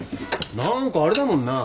何かあれだもんな。